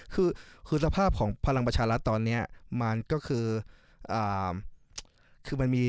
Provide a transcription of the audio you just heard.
คือสภาพของภาลังประชารัฐตอนนี้มันก็คือ